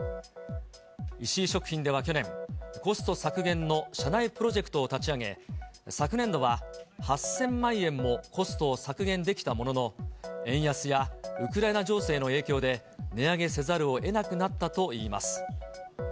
石井食品では去年、コスト削減の社内プロジェクトを立ち上げ、昨年度は８０００万円もコストを削減できたものの、円安やウクライナ情勢の影響で、値上げせざるをえなくなったといいます。